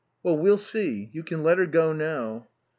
"Well, we'll see. You can let her go now."